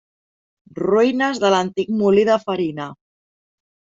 Ruïnes de l'antic molí de farina.